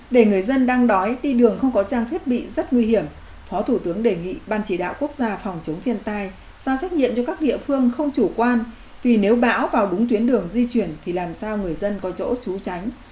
để người dân đang đói đi đường không có trang thiết bị rất nguy hiểm phó thủ tướng đề nghị ban chỉ đạo quốc gia phòng chống thiên tai sao trách nhiệm cho các địa phương không chủ quan vì nếu bão vào đúng tuyến đường di chuyển thì làm sao người dân có chỗ trú tránh